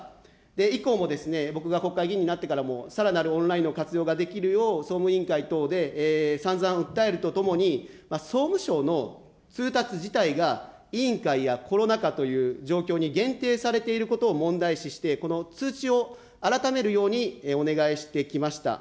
以降もですね、僕が国会議員になってからも、さらなるオンラインの活用ができるよう、総務委員会等でさんざん訴えるとともに、総務省の通達自体が、委員会やコロナ禍という状況に限定されていることを問題視して、この通知を改めるように、お願いしてきました。